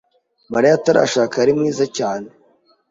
Mariya atarashaka, yari mwiza cyane.